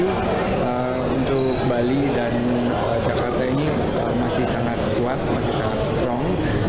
untuk bali dan jakarta ini masih sangat kuat masih sangat strong